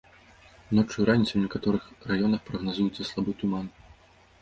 Ноччу і раніцай у некаторых раёнах прагназуецца слабы туман.